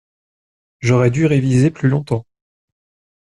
J'aurais du réviser plus longtemps.